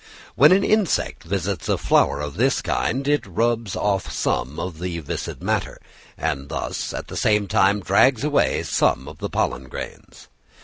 When an insect visits a flower of this kind, it rubs off some of the viscid matter, and thus at the same time drags away some of the pollen grains.